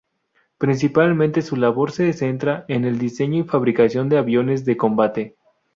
Principalmente su labor se centra en el diseño y fabricación de aviones de combate.